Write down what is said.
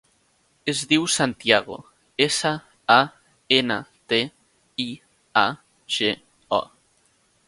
Es diu Santiago: essa, a, ena, te, i, a, ge, o.